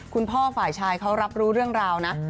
คุณพ่อฝ่ายชายเขารับรู้เรื่องราวนะ